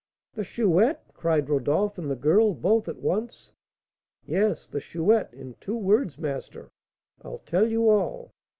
"The Chouette!" cried Rodolph and the girl both at once. "Yes, the Chouette; in two words, master, I'll tell you all.